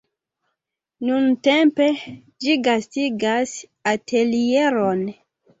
Nuntempe ĝi gastigas atelieron.